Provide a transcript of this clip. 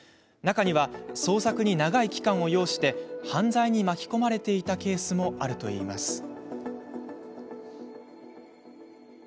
中には、捜索に長い期間を要して犯罪に巻き込まれていたケースもあるといいます。